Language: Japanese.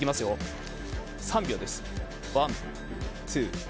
３秒です。